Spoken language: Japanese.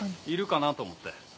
いるかなと思って。